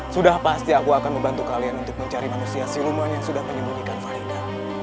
sudah pasti aku akan membantu kalian untuk mencari manusia siluman yang sudah menyembunyikan varida